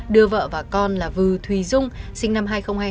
đưa vợ và con là vừa thùy dung sinh năm hai nghìn hai mươi hai